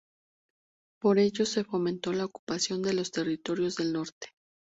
Por ello se fomentó la ocupación de los territorios del norte.